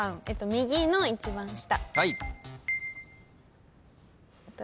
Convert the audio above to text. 右の一番下。